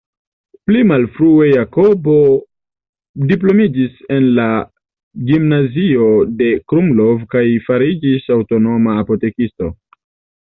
Pli malfrue Jakobo diplomiĝis en la Gimnazio de Krumlov kaj fariĝis aŭtonoma apotekisto.